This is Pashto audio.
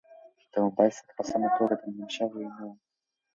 د موبایل ساعت په سمه توګه تنظیم شوی نه و.